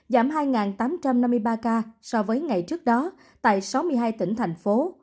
giảm hai tám trăm năm mươi ba ca so với ngày trước đó tại sáu mươi hai tỉnh thành phố